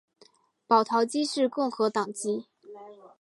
保陶基是共和党籍。